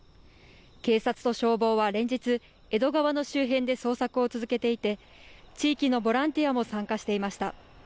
警察と消防は連日、江戸川の周辺で捜索を続けていて地域のボランティアも参加していました。